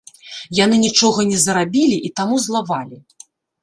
Яны нічога не зарабілі і таму злавалі.